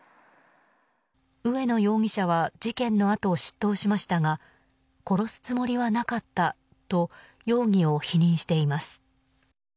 上野容疑者は事件のあと出頭しましたが殺すつもりはなかったと容疑を否認しています。